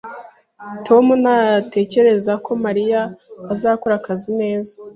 Tom ntatekereza ko Mariya azakora akazi neza